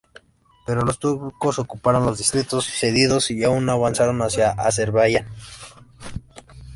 Pero los turcos ocuparon los distritos cedidos y aún avanzaron hacia Azerbaiyán.